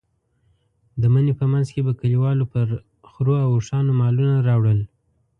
د مني په منځ کې به کلیوالو په خرو او اوښانو مالونه راوړل.